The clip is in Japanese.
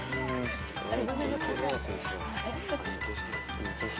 ・いい景色。